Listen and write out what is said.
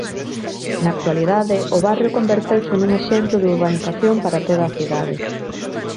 Na actualidade o barrio converteuse nun exemplo de urbanización para toda a cidade.